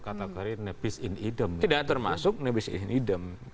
kata kary nepis in idem